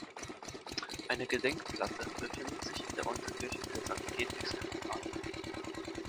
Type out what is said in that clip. Eine Gedenkplatte befindet sich in der Unterkirche der Sankt-Hedwigs-Kathedrale.